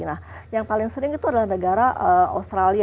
nah yang paling sering itu adalah negara australia